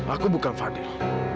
aku bukan fadil